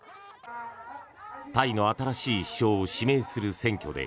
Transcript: タイの新しい首相を指名する選挙で